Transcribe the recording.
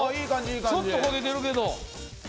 ちょっと焦げてるけど。